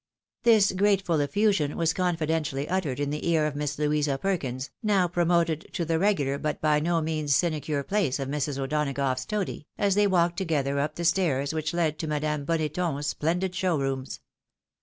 This grateful effusion was confidentially uttered in the ear of Miss Louisa Perkins (now pronjoted to the regular, but by no means sinecure place of JSIrs. O'Donagough's toady) as they 328 THE WIDOW MAllRIED. walked together up tlie stairs which led to Madame BoiK^tou's splendid show rooms.